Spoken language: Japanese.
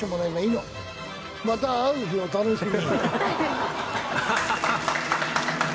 また会う日を楽しみに。